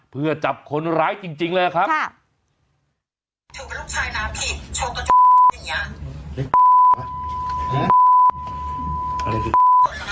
เผื่อจับคนร้ายจริงจริงเลยนะครับใช่